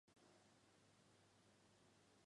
叉毛锯蕨为禾叶蕨科锯蕨属下的一个种。